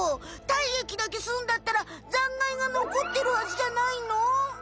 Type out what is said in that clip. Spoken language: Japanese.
体液だけ吸うんだったら残骸がのこってるはずじゃないの？